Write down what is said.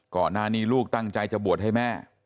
ก่อนหน้านี้ลูกตั้งใจจะบวชให้แม่